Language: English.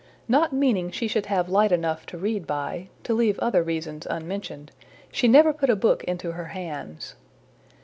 Not meaning she should have light enough to read by, to leave other reasons unmentioned, she never put a book in her hands.